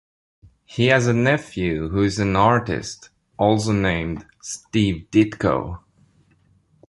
He has a nephew who is an artist, also named Steve Ditko.